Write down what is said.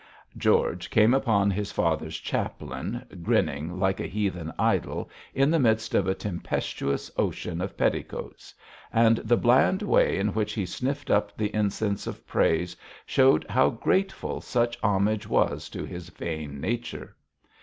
George came upon his father's chaplain, grinning like a heathen idol, in the midst of a tempestuous ocean of petticoats, and the bland way in which he sniffed up the incense of praise showed how grateful such homage was to his vain nature.